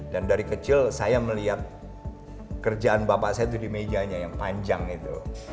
dan dari kecil saya melihat kerjaan bapak saya itu di mejanya yang panjang itu